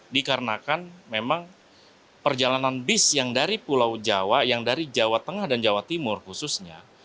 dikarenakan memang perjalanan bis yang dari pulau jawa yang dari jawa tengah dan jawa timur khususnya